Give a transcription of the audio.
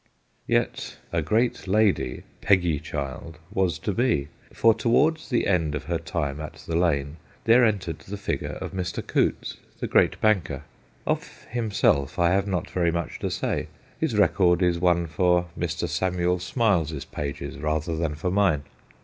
Yet a great lady * Peggy child ' was to be ; for towards the end of her time at the Lane there entered the figure of Mr. Coutts, the great banker. Of himself I have not very much to say. His record is one for Mr. Samuel Smiles's pages rather than for mine.